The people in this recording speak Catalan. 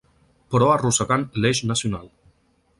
Però arrossegant l’eix nacional.